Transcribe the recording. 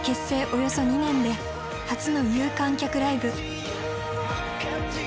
およそ２年で初の有観客ライブ。